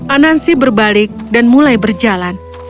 anansi berbalik dan mulai berjalan